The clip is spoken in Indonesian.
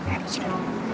eh disini dulu